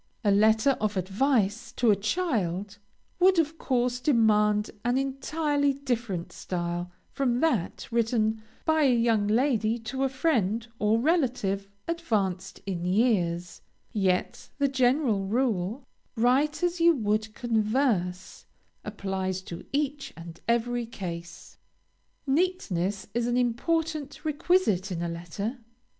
A letter of advice to a child, would of course demand an entirely different style, from that written by a young lady to a friend or relative advanced in life; yet the general rule, "write as you would converse," applies to each and every case. Neatness is an important requisite in a letter.